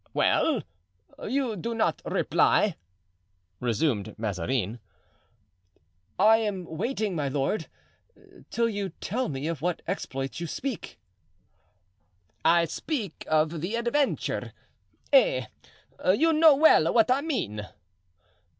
"Well, you do not reply?" resumed Mazarin. "I am waiting, my lord, till you tell me of what exploits you speak." "I speak of the adventure—Eh, you know well what I mean."